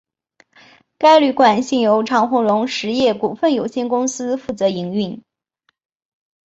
该旅馆现由长鸿荣实业股份有限公司负责营运。